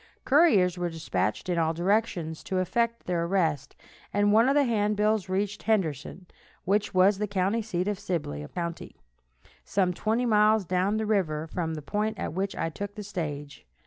Couriers were dispatched in all directions to effect their arrest, and one of the handbills reached Henderson, which was the county seat of Sibley county, some twenty miles down the river from the point at which I took the stage.